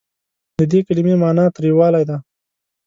د دې کلمې معني تریوالی دی.